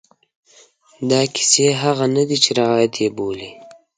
دا کیسې هغه نه دي چې روایت یې بولي.